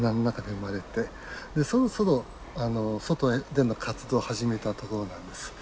でそろそろ外での活動を始めたところなんです。